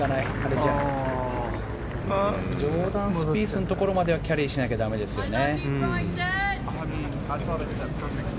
ジョーダン・スピースのところまではキャリーしないとだめですよね。